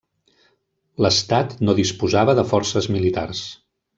L'estat no disposava de forces militars.